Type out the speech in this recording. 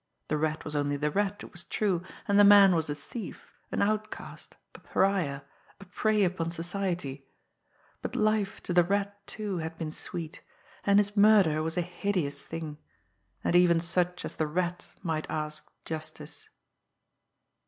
The Rat was only the Rat, it was true, and the man was a thief, an outcast, a pariah, a prey upon society; but life to the Rat, too, had been sweet, and his murder was a hideous thing and even such as the Rat might ask justice.